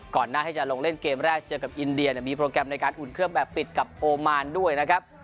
ก่อนหน้าที่จะลงเล่นเกมแรกเจอกับอินเดียมีโปรแกรมในการอุ่นเครื่องแบบปิดกับโอมานด้วยนะครับ